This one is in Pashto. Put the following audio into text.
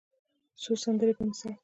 څو سندرې په مثال